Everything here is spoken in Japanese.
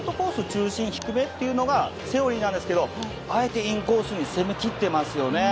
中心低めというのがセオリーなんですけどあえてインコースに攻め切っていますよね。